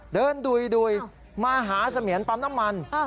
ดุยมาหาเสมียนปั๊มน้ำมัน